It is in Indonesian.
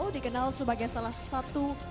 dikenal sebagai salah satu